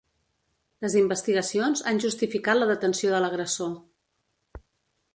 Les investigacions han justificat la detenció de l'agressor.